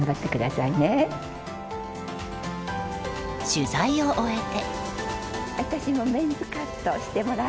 取材を終えて。